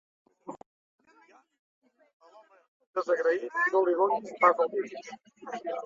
A l'home desagraït no li'n donis pas el dit.